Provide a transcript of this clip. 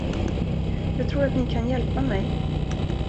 Jag tror att ni kan hjälpa mig.